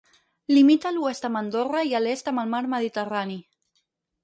Limita a l'oest amb Andorra i a l'est amb el mar Mediterrani.